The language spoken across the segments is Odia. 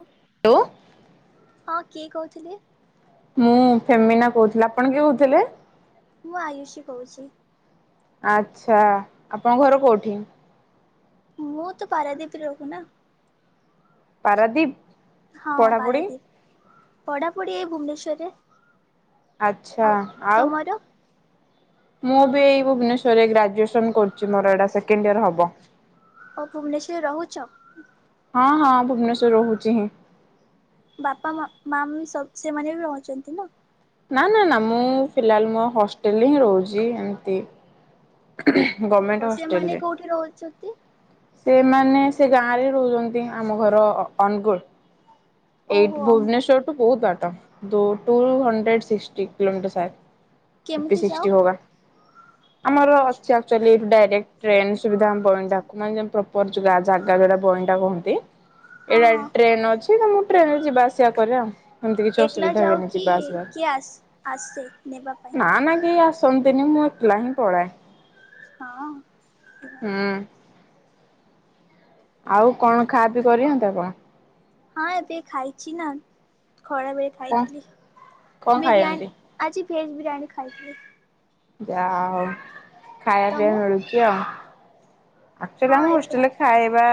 ହଁ [inaudible] ହ୍ୟାଲୋ। ହଁ କିଏ କହୁଥିଲେ? ମୁଁ ଫେମିନା କହୁଥିଲି, ଆପଣ କିଏ କହୁଥିଲେ? ମୁଁ ଆୟୁଷୀ କହୁଛି। ଆଚ୍ଛା, ଆପଣଙ୍କ ଘର କୋଉଠି? ମୁଁ ତ ପାରାଦ୍ୱୀପରେ ରହୁଚି ନା। ପାରଦ୍ୱୀପ? ହଁ ପାରାଦ୍ୱୀପ। ପଢାପଢି ଏଇ ଭୁବନେଶ୍ୱରରେ। ଆଚ୍ଛା। ଆଉ ଆଉ ତମର? ମୁଁ ବି ଏଇ ଭୁବନେଶ୍ୱରରେ ଗ୍ରାଜୁଏସନ କରୁଛି, ମୋର ଏଇଟା ସେକେଣ୍ଡ ଇୟର ହବ। ଓ ଭୁବନେଶ୍ୱରରେ ରହୁଚ? ହଁ ହଁ, ଭୁବନେଶ୍ୱରରେ ରହୁଛି ହିଁ। ବାପା ମା ମାମ୍ ସବୁ ସେମାନେ ବି ରହୁଛନ୍ତି ନ? ନାଁ ନାଁ ନାଁ, ମୁଁ ଫିଲାହାଲ ମୋ ହଷ୍ଟେଲରେ ହିଁ ରହୁଛି। ଏମତି ଓହୋ ଗମେଣ୍ଟ ସେମାନେ ହଷ୍ଟେଲରେ। କୋଉଠି ରହୁଛନ୍ତି? ସେମାନେ ସେ ଗାଁରେ ରହୁଛନ୍ତି, ଆମ ଘର ଅ-ଅନଗୁଳ୍। ଏଇଠ ଓହୋ ଭୁବନେଶ୍ଵରଠୁ ବହୁତ ବାଟ। ଦୋ ଟୁ ହଣ୍ଡ୍ରେଡ଼ ସିକ୍ସଟି କିଲୋମିଟର ସାୟଦ୍, ଫିଫ୍ଟି କେମିତି ଯାଅ? ସିକ୍ସ୍ଟି ହୋଗା। ଆମର ଅଛି ଆକ୍ଚୁଆଲି ଡାଇରେକ୍ଟ ଟ୍ରେନ୍ ସୁବିଧା ଆମ ବଇଣ୍ଡାକୁ, ମାନେ ଯେମ୍ ପ୍ରପର୍ ଜୁଜା ଜାଗା ଯୋଉଟା ବଇଣ୍ଡା କହନ୍ତି ଏଇ ହଁ ଗାଡ଼ି ହଁ ଟ୍ରେନ୍ ଅଛି, ତ ମୁଁ ଟ୍ରେନରେ ଯିବା ଆସିବା କରେ ଆଉ। ସେମତି କିଛି ଏକଲା ଅସୁବିଧା ଯାଉ ହୁଏନି କି ଯିବା କିଏ ଆସ ଆସେ ନେବା ପାଇଁ? ଆସିବାକୁ। ନା ନା କେହି ଆସ ସନ୍ତିନି ମୁଁ ଏକଲା ହିଁ ପଳାଏ। ହଁ। ହୁଁ। ଆଉ କଣ ଖାଅ ପି କରିହନ୍ତା କଣ? ହଁ ଏବେ ଖାଇଛି ନା, ଖରାବେଳେ କଣ ଖାଇଥିଲି, କଣ ବିରିୟାନୀ। ଖାଇଛନ୍ତି? ଆଜି ଭେଜ୍ ବିରିୟାନୀ ଖାଇଥିଲି। ଯାହା ହଉ, ଖାଇଆ ପିଇବା ତମେ? ମିଳୁଛି ଆଉ। ଆକ୍ଚୁଆଲି ହଁ ଆମ ହଷ୍ଟେଲରେ ଏପଟ ଖାଇବା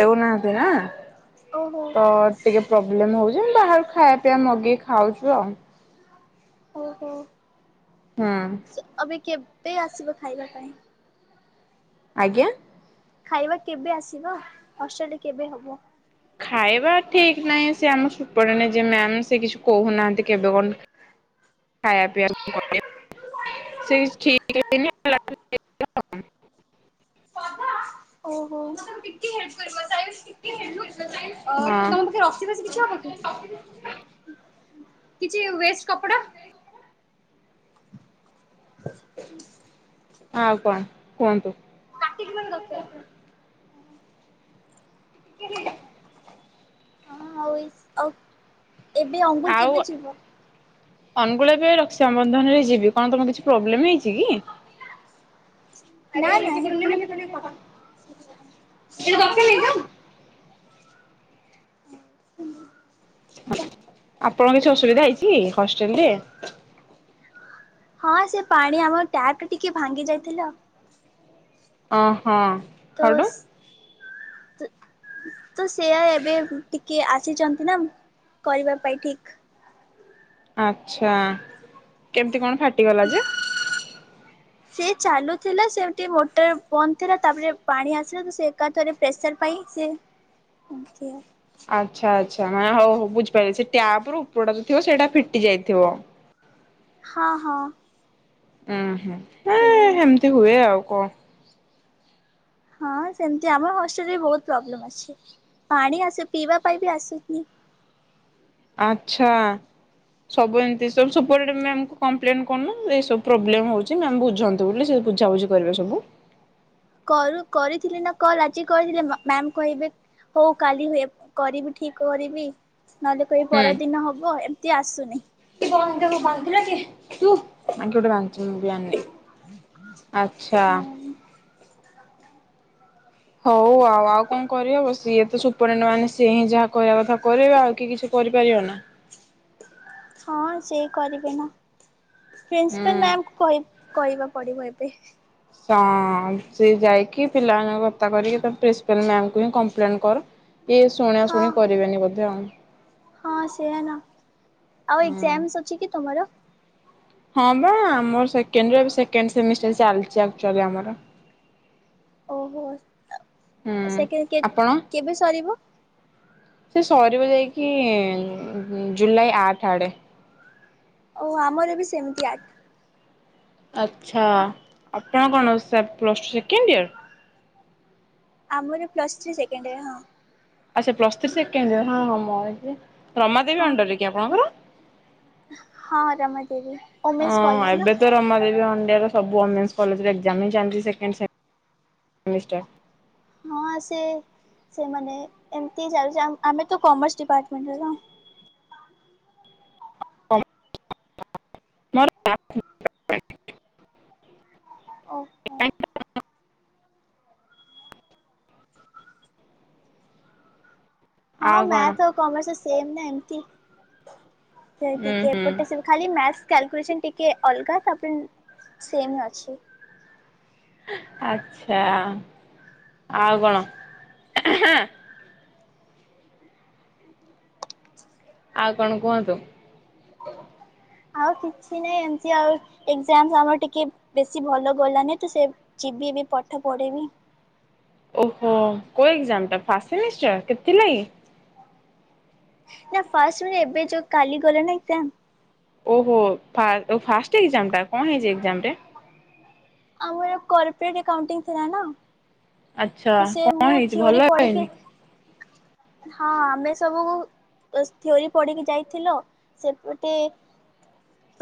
ଦଉନାହାଁନ୍ତି ନା, ଓହୋ ତ ଟିକେ ପ୍ରୋବ୍ଲେମ୍ ହଉଛି, ଆମେ ବାହାରୁ ଖାଇଆ ପିଇବା ମଗେଇ ଖାଉଛୁ ଆଉ। ଓହୋ। ହୁଁ। ଅବେ କେବେ ଆସିବ ଖାଇବା ପାଇଁ? ଆଜ୍ଞା? ଖାଇବା କେବେ ଆସିବ, ହଷ୍ଟେଲରେ କେବେ ହବ? ଖାଇବା ଠିକ ନାହିଁ, ସିଏ ଆମର ସୁପରିଟେଣ୍ଡେଣ୍ଟ ଯିଏ ମ୍ୟାମ୍ ସିଏ କିଛି କହୁନାହାଁନ୍ତି କେବେ କଣ ଖାଇବା ପିଇଆ [unintelligible] ସେଇ ଠିକ୍ ହେଇନି ହେଲା ଓହୋ। କହିବ ସାଏବ ଟିକିଏ ଶୁଣିଲୁ, ଅ ତମ ପାଖେ ରସି ଫସି କିଛି ହବ କି? କିଛି ୱେଷ୍ଟ କପଡା? ଆଉ କଣ, କୁହନ୍ତୁ। ଏତିକି ମତେ ଦରକାର। ହଁ ଆଉ ଏ, ଆଉ ଏବେ ଅନଗୁଲ୍ ଆଉ କେବେ ଯିବ? ଅନୁଗୁଳ ଏବେ ରକ୍ଷାବନ୍ଧନରେ ଯିବି। କଣ ତମ କିଛି ପ୍ରୋବ୍ଲେମ୍ ହେଇଛି କି? ଆରେ ଏତେ ବଡ଼ ନୁହେଁ ମତେ ଖାଲି ଦରକାର ନାହିଁ [unintelligible] ହୁଁ। ଆପଣଙ୍କ କିଛି ଅସୁବିଧା ହେଇଛି ହଷ୍ଟେଲ ରେ? ହଁ ସେ ପାଣି ଆମ ଟ୍ୟାଙ୍କ ଟିକେ ଭାଙ୍ଗି ଯାଇଥିଲା। ଅ ହଁ। ତ ତ ସେଆ ଏବେ ଟିକେ ଆସିଛନ୍ତି ନା କରିବା ପାଇଁ ଠିକ ଆଛା କେମିତି କଣ ଫାଟିଗଲା ଯେ? ସେ ଚାଲୁଥିଲା ସେମତି ମୋଟର ବନ୍ଦ ଥିଲା ତାପରେ ପାଣି ଆସିଲା ତ ସେ ଏକାତରେ ପ୍ରେସର ପାଇଁ ସେ ଆଚ୍ଛା ଆଚ୍ଛା ମାନେ ହଉ ହଉ ବୁଝିପାରିଲେ ସେ ଟ୍ୟାପ ର ଉପରଟା ଯଉ ଥିବ ସେଇଟା ଫିଟି ଯାଇଥିବ ହଁ ହଁ। ଉୁଁ ହୁଁଁ ସେ ସେମିତି ହୁଏ ଆଉ କଣ? ହଁ ସେମିତି ଆମର ହଷ୍ଟେଲରେ ବହୁତ ପ୍ରୋବ୍ଲେମ୍ ଅଛି ପାଣି ଆସ ପିଇବା ପାଇଁ ବି ଆସୁନି। ଆଚ୍ଛା। ସବୁ ଏମତି ସବୁ ସବୁଟେ ମ୍ୟାମ୍ କୁ କମ୍ପ୍ଲେନ୍ କରୁନୁ ଏସବୁ ପ୍ରୋବ୍ଲେମ୍ ହଉଛି ମ୍ୟାମ୍ ବୁଝନ୍ତୁ ବୋଲି ସେ ବୁଝାବୁଝି କରିବେ ସବୁ। କରୁ କରିଥିଲି ନା କଲ ଆଜି କରିଥିଲେ ମ୍ୟାମ କହିବେ ହଉ କାଲି ହୁଏ କରିବି ଠିକ କରିବି। ନହେଲେ କହ ହୁଁ। ପରଦିନ ହବ ଏମତି ଆସୁନି [unintelligible] ଆଚ୍ଛା। ହଉ ଆଉ ଆଉ କଣ କରିହବ ସିଏ ତ ସୁପରିଟେଣ୍ଡ ମାନେ ସିଏ ହିଁ ଯାହା କହିବା କଥା କରିବେ ଆଉ କିଏ କିଛି କରିପାରିବ ନା? ହଁ ସେ କରିବେ ନା ପ୍ରିନ୍ସିପାଲ ହୁଁ। ମ୍ୟାମ କୁ କହି କରିବା ପଡିବ ଏବେ ଅ ସେ ଯାଇକି ପିଲାମାନଙ୍କୁ କତ୍ତା କରିକି ତା ପ୍ରିନ୍ସିପାଲ୍ ମ୍ୟାମଙ୍କୁ ହିଁ କମ୍ପ୍ଲେନ୍ କର ଇଏ ଶୁଣା ହଁ ଶୁଣି କରିବେନି ବୋଧେ ଆ ହଁ ସେଏ ନା ଆଉ ହୁଁ ଏକଜାମସ ଅଛି କି ତମର? ହଁ ବା ଆମର ସେକେଣ୍ଡଇୟର ସେମିଷ୍ଟର ଚାଲିଛି ଆମର ଓହୋ ହୁଁ ସେ କେ ଆପଣ? କେବେ ସରିବ? ସେ ସରିବ ଯାଇକି ଜୁଲାଇ ଆଠ ଆଡ଼େ ଓହ ଆମର ବି ସେମିତି ଆଠ ଆଚ୍ଛା ଆପଣ କଣ ସା ପ୍ଲସ୍ ଟୁ ସେକେଣ୍ଡ ଇୟର୍? ଆମର ପ୍ଲସ୍ ଥ୍ରୀ ସେକେଣ୍ଡ ଇୟର୍ ହଁ। ଆଚ୍ଛା ପ୍ଲସ୍ ଥ୍ରୀ ସେକେଣ୍ଡ ହଁ ହଁ ମ ରମା ଦେବୀ ହଁ ଅଣ୍ଡରରେ କି ଆପଣଙ୍କର? ହଁ ରମାଦେବୀ ଓମେନ୍ସ କଲେଜ ନା ଆମର ବି ଅନ୍ ଡେ ରେ ସବୁ ୱମେନ୍ସ କଲେଜର ଏକ୍ଜାମ୍ ହି ଚାଲିଛି ସେକେଣ୍ଡ ସେମ୍ ସେମିଷ୍ଟାରର। ହଁ ସେ ସେମାନେ ଏମିତି ଯାଉଛି ଆମେ ତ କମର୍ସ ଡିପାର୍ଟମେଣ୍ଟର [unintelligible] ଓହୋ [unintelligible] ହଁ ଆଉ କଣ ମ୍ୟାଥ ଆଉ କମର୍ସ ସେମ ନା ଏମତି ସେ ଉୁଁ ଟିକେ ହୁଁ ଏପଟେ ସେ ଖାଲି ମ୍ୟାଥ କ୍ୟାଲକୁଲେସନ୍ ଟିକେ ଅଲଗା ତାପରେ ସେମ୍ ଅଛି ଆଛା ଆଉ କଣ? ଆଉ କଣ କୁହନ୍ତୁ? ଆଉ କିଛି ନାହିଁ ଏମିତି ଆଉ ଏକଜାମ ଆମର ଟିକେ ବେଶୀ ଭଲ ଗଲାନି ତ ସେ ଯିବି ଏଵେ ପାଠ ପଢ଼ିବି ଓହୋ କୋଉ ଏକଜାମ ଟା ଫାଷ୍ଟ ସେମିଷ୍ଟର କେତେଥିଲା କି? ନା ଫାଷ୍ଟ ଏବେ ଯୋଉ କାଲି ଗଲେ ନା ଏକଜାମ ଓହୋ! ଫା-ଫାଷ୍ଟ ଏକଜାମଟା କଣ ହେଇଛି ଏକଜାମରେ? ଆମର କର୍ପୋରେଟ୍ ଆକାଉଣ୍ଟିଂ ଥିଲା ନା। ଆଚ୍ଛା ତ ସେ କଣ ମୁଁ ହେଇଛି ଭଲ ଥିଓରି ପଢିକି ହେଇନି ହଁ ଆମେ ସବୁକୁ ବାସ୍ ଥିଓରି ପଢ଼ିକି ଯାଇଥିଲ, ସେପଟେ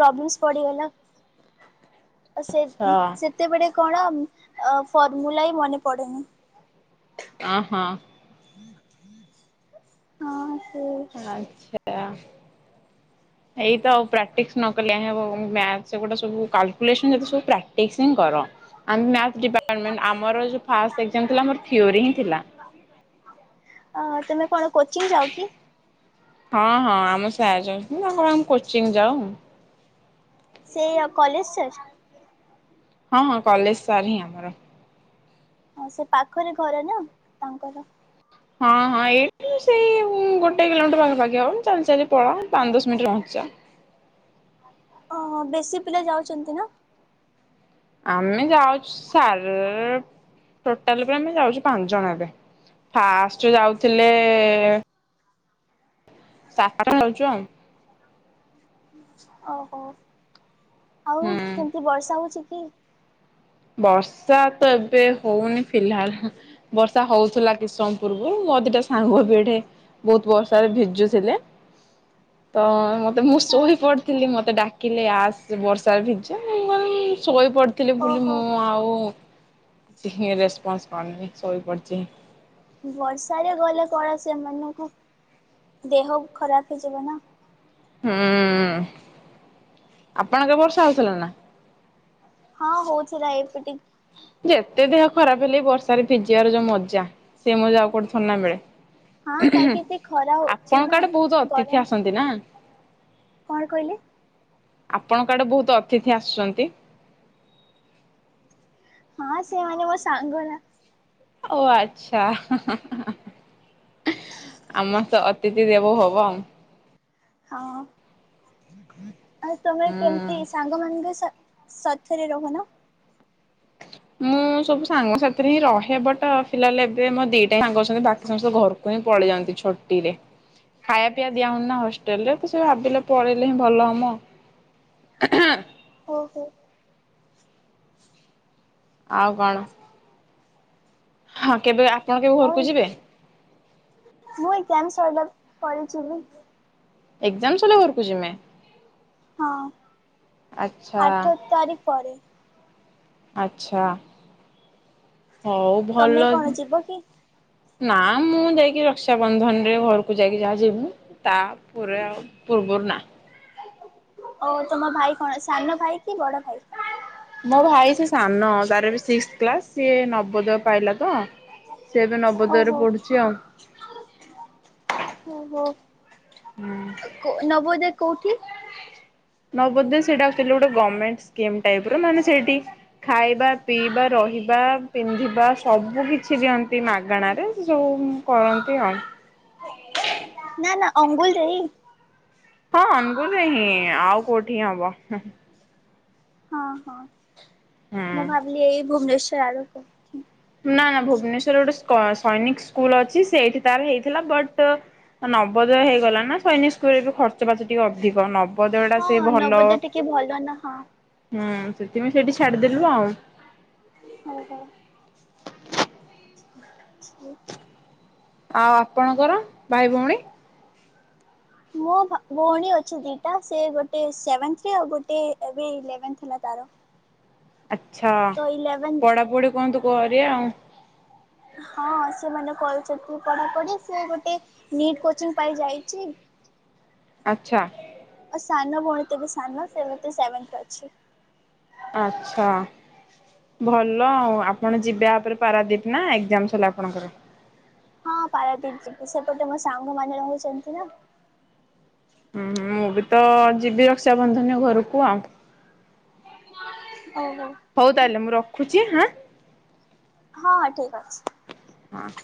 ପ୍ରବ୍ଲେମ୍ସ୍ ପଡିଗଲା। ତ ସେ ଆଚ୍ଛା। ସେତେବେଳେ କଣ ଅ ଫର୍ମୁଲା ବି ମନେ ପଡେନି? ଅଁ-ହଁ। ହଁ ସେ ଆଚ୍ଛା। ଏଇ ତ ଆଉ ପ୍ରାକ୍ଟିସ୍ ନ କଲେ ହେବ ମ୍ୟାଥ୍ ସେଗୁଡା ସବୁ କାଲ୍କୁଲେସନ୍ ଯେତେ ସବୁ ପ୍ରାକ୍ଟିସ୍ ହିଁ କର। ଆମେ ମ୍ୟାଥ୍ ଡିପାର୍ଟମେଣ୍ଟ, ଆମର ଯୋଉ ଫାଷ୍ଟ ଏକ୍ଜାମ୍ ଥିଲା ଆମର ଥିଓରି ହିଁ ଥିଲା। ଅ ତମେ କଣ କୋଚିଂ ଯାଅ କି? ହଁ-ହଁ ଆମ [unintelligible] ଯାଉଛନ୍ତି ତାଙ୍କ ଆମେ କୋଚିଂ ଯାଉ। ସେଇ ଅ କଲେଜ୍ ସାର୍? ହଁ କଲେଜ୍ ସାର୍ ହିଁ ଆମର। ହଁ ସେ ପାଖରେ ଘର ନା ତାଙ୍କର। ହଁ-ହଁ ଏଇଠୁ ସେଇ ଗୋଟେ କିଲୋମିଟର୍ ପାଖାପାଖି ହବ, ଆମେ ଚାଲି-ଚାଲି ପଳାଉ ପାଞ୍ଚ ଦଶ ମିନିଟ୍ ରେ ପହଞ୍ଚି ଯାଉ। ଓହୋ, ବେଶୀ ପିଲା ଯାଉଚନ୍ତି ନା? ଆମେ ଯାଉଛୁ ସାର୍ ଟୋଟାଲ୍ ବି ଆମେ ଯାଉଛୁ ପାଞ୍ଚ ଜଣ ଏବେ। ଫାଷ୍ଟ ଯାଉଥିଲେ [unintelligible] ଯାଉଚୁ ଆଉ। ଓହୋ, ଆଉ ହୁଁ। କେମ୍ତି ବର୍ଷା ହଉଛି କି? ବର୍ଷା ତ ଏବେ ହଉନି ଫିଲ୍ହାଲ୍। ବର୍ଷା ହଉଥିଲା କିଛି ସମୟ ପୂର୍ବୁରୁ ମୋ ଦିଟା ସାଙ୍ଗ ବି ଏଠେ- ବହୁତ୍ ବର୍ଷାରେ ଭିଜୁଥିଲେ, ତ-ମ ତ ମୁଁ ହଁ ଶୋଇପଡ଼ିଥିଲି ମତେ ଡାକିଲେ ଆସ୍ ବର୍ଷାରେ ଭିଜିଆ, ମୁଁ ଶୋଇପଡ଼ିଥିଲି। ଓହୋ ମୁଁ ଆଉ କିଛି ରେସ୍ପନ୍ସ କରିନି ଶୋଇପଡିଚି। ବର୍ଷାରେ ଗଲେ କଣ ସେମାନଙ୍କୁ ଦେହ ଖରାପ ହେଇଯିବ ନା। ହୁଁ, ଆପଣ କେ ବର୍ଷା ହଉଥିଲା ନା? ହଁ, ହଉଥିଲା ଏବେ ଟିକେ। ଯେତେ ଦେହ ଖରାପ ହେଲେ ବି ବର୍ଷାରେ ଭିଜିବାର ଯୋଉ ମଜା, ସେ ମଜା ଆଉ କୋଉଠି ଥୋଡି ନା ହଁ ମିଳେ। କାହିଁକି ଏତେ ଖରା ହଉଛି ନା ଆପଣଙ୍କ ଆଡେ ବହୁତ ଗରମ ଅତିଥି ଆସନ୍ତି ନାଁ? କଣ କହିଲେ? ଆପଣଙ୍କ ଆଡେ ବହୁତ ଅତିଥି ଆସୁଚନ୍ତି। ହଁ ସେମାନେ ମୋ ସାଙ୍ଗ ରା। ଓ ଆଚ୍ଛା [unintelligible] ଆମର ତ ଅତିଥି ଦେବୋ ଭବମ୍। ହଁ। [unintelligible] ଆଉ ତମେ ହୁଁ। କେମ୍ତି ସାଙ୍ଗ ମନଙ୍କ ସାଥେରେ ରହୁନ? ମୁଁ ସବୁ ସାଙ୍ଗ ସାଥିରେ ହିଁ ରହେ, ବଟ୍ ଫିଲ୍ହାଲ୍ ଏବେ ମୋ ଦିଟା ସାଙ୍ଗ ଅଛନ୍ତି ବାକି ସମସ୍ତେ ଘରକୁ ହଁ ପଳେଇ ଯାନ୍ତି ଛୁଟିରେ। ଖାଇବା ପିଇବା ଦିଆହଉନି ନା ହଷ୍ଟେଲ୍ ରେ ତ ସେ ଭାବିଲେ ପଳେଇଲେ ହିଁ ଭଲ ହମ। ଓହୋ। ଆଉ କଣ? ହଁ କେବେ ଆପଣ କେବେ ହଉ ଘରକୁ ଯିବେ? ମୁଁ ଏକ୍ଜାମ୍ ସଇଲା ପରେ ଯିବି। ଏକ୍ଜାମ୍ ସଇଲେ ଘରୁକୁ ଯିମେ? ହଁ, ଆଚ୍ଛା ଆଠ ତାରିକ୍ ପରେ। ଆଚ୍ଛା। ହଉ ତମେ ଭଲ। କଣ ଯିବ କି ନା ମୁଁ ଯାଇକି ରକ୍ଷାାବନ୍ଧନ ରେ ଘରକୁ ଯାଇକି ଯାହା ଯିବି। ତା ପୁର ଆଉ ପୂର୍ବରୁ ନା। ଓ ତମ ଭାଇ କଣ ସାନ ଭାଇ କି ବଡ ଭାଇ? ମୋ ଭାଇ ସେ ସାନ ତାର ବି ସିକ୍ସ କ୍ଲାସ ସିଏ ନବୋଦୟ ପାଇଲା ତ ସେ ଏବେ ନବୋଦୟ ରେ ଓହୋ ପଢୁଛି ଆଉ। ଓହୋ ନବୋଦୟ କୋଉଠି? ନବୋଦୟ ସେଟା ଗୋଟେ ଗଭର୍ଣ୍ଣମେଣ୍ଟ ସ୍କିମ୍ ଟାଇପ ର ମାନେ ସେଇଠି ଖାଇବା ପିଇବା ରହିବା ପିନ୍ଧିବା ସବୁ କିଛି ଦିଅନ୍ତି ମାଗଣାରେ ଯୋଉ କରନ୍ତି ଆଉ। ନା ନା ଅନୁଗୁଳ ରେ ହିଁ? ହଁ ଅନୁଗୁଲେ ହିଁ ଆଉ କୋଉଠି ହବ? ହଁ ହଁ ମୁଁ ଭାବିଲି ଏଇ ଭୁବନେଶ୍ୱର ଆଡ଼େ ନା ନା ଭୁବନେଶ୍ଵରରେ ଗୋଟେ ସୈନିକ ସ୍କୁଲ ଅଛି ସେଇଠି ତାର ହେଇଥିଲା ବଟ ନବୋଦୟ ହେଇଗଲା ନା ସୈନିକ ସ୍କୁଲରେ ବି ଖର୍ଚ୍ଚ ଫର୍ଚ ଟିକେ ଅଧିକ ନବ ବୋଧେ ଏଗୁଡା ଟା ସେ ହଁ ଭଲ ନବୋଦୟ ଟିକେ ଭଲ ନା ହଁ ହୁଁ ସେଥିପାଇଁ ସେଇଠି ଛାଡିଦେଲୁ ଆଉ। [unintelligible] [inaudible] ଆଉ ଆପଣଙ୍କର ଭାଇ ଭଉଣୀ? ମୋ ଭଉଣୀ ଅଛି ଦିଟା। ସେ ଗୋଟେ ସେଭେନ୍ଥରେ ଆଉ ଗୋଟେ ଏବେ ଇଲେଭେନ୍ ଥିଲା ତାର ଆଚ୍ଛା ତ ଇଲେଭେନ୍ ପଢ଼ାପଢ଼ି କୁହନ୍ତୁ କରିବେ ଆଉ ହଁ ସେମାନେ କହୁଛନ୍ତି ପଢାପଢି ସେ ଗୋଟେ ନିଟ୍ କୋଚିଂ ପାଇ ଯାଇଛି। ଆଚ୍ଛା ସାନ ଭଉଣୀ ତ ବି ସାନ ସେ ସେଭେନ୍ଥ ରେ ଅଛି। ଆଚ୍ଛା ଭଲ ଆଉ ଆପଣ ଯିବା ଉପରେ ପାରାଦୀପ ନା ଏକ୍ଜାମସ ହେଲା ଆପଣଙ୍କର? ହଁ ପାରାଦୀପ ଯିବି ସେପଟେ ମୋ ସାଙ୍ଗମାନେ ରହୁଛନ୍ତି ନା ଉୁଁ ମୁଁ ବି ତ ଯିବି ରକ୍ଷାବନ୍ଧନ ଘରକୁ ଆଉ ଓହୋ। ହଉ ତାହେଲେ ମୁଁ ରଖୁଛି ହଁ। ହଁ ହଁ ଠିକ ଅଛି। ହଁ